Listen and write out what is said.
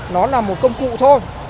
nó là một công cụ thôi